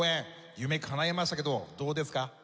夢かないましたけどどうですか？